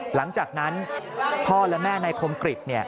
หลังจากนั้นพ่อและแม่นายคมกริจ